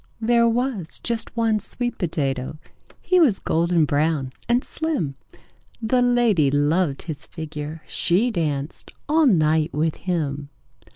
"There was just one sweet potato. He was golden brown and slim: The lady loved his figure. She danced all night with him.